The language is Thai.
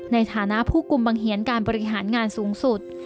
ในฐานะผู้กลุ่มบังเหียนการบริหารงานสูงสุด